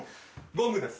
ゴングです。